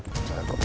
buka buka buka